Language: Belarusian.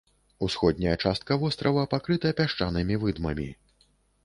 Усходняя частка вострава пакрыта пясчанымі выдмамі.